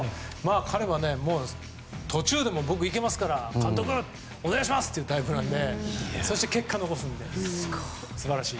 彼は、途中でも、僕いけますから監督、お願いします！っていうタイプなのでそして結果を残すので素晴らしい。